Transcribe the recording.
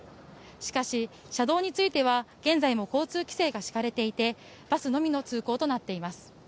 しかし、車道については現在も交通規制が敷かれていてバスのみの通行となっています。